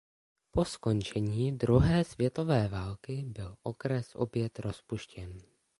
Po skončení druhé světové války byl okres opět rozpuštěn.